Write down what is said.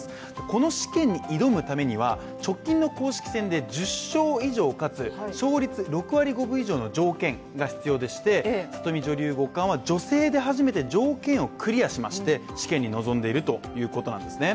この試験に挑むためには直近の公式戦で１０勝以上かつ勝率６割５分以上の条件が必要でして里見女流五冠は女性で初めて条件をクリアしまして試験に臨んでいるということなんですね。